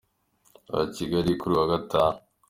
wa Kigali, kuri uyu wa Gatanu.